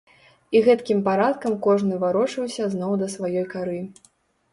І гэткім парадкам кожны варочаўся зноў да сваёй кары.